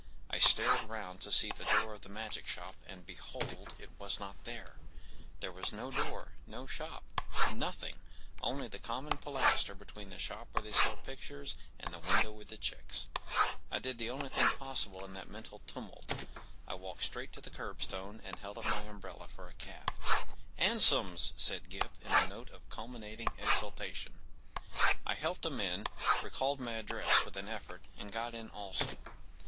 I stared round to see the door of the magic ehop, and, behold, it was not there ! There was no door, no shop, nothing, only the common pilaster between the shop where they sell pictures and the window with the chicks !... I did the only thing possible in that mental tumult; I walked straight to the kerb¬ stone and held up my umbrella for a cab. “’Ansoms,” said Gip, in a note of culmi¬ nating exultation. I helped him in, recalled my address with an effort, and got in also.